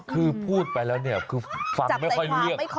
คือพูดไปแล้วเนี่ยคือฟังไม่ค่อยรู้เรื่อง